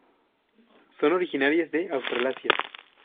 Son originarias de Australasia.